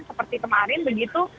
seperti kemarin begitu